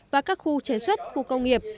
và các khu chế xuất khu công nghiệp